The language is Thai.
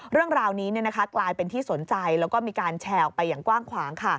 เรื่องราวนี้กลายเป็นที่สนใจแล้วก็มีการแชร์ออกไปอย่างกว้างขวาง